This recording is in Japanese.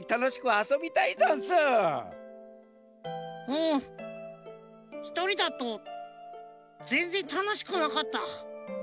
うんひとりだとぜんぜんたのしくなかった。